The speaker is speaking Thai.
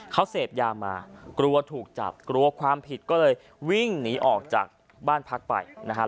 เขาเสพยามากลัวถูกจับกลัวความผิดก็เลยวิ่งหนีออกจากบ้านพักไปนะครับ